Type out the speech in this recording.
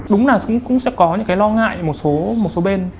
đúng là cũng sẽ có những cái lo ngại một số bên